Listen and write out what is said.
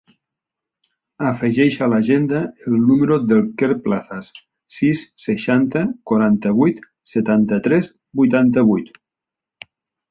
Afegeix a l'agenda el número del Quer Plazas: sis, seixanta, quaranta-vuit, setanta-tres, vuitanta-vuit.